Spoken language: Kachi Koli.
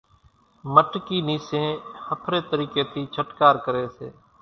مٽڪي نيسين ۿڦري طريقي ٿي ڇٽڪار ڪري سي۔